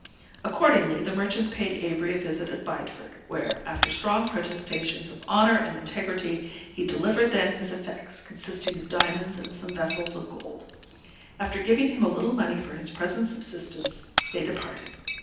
Accordingly, the merchants paid Avery a visit at Bideford, where, after strong protestations of honor and integrity, he delivered them his effects, consisting of diamonds and some vessels of gold. After giving him a little money for his present subsistence, they departed.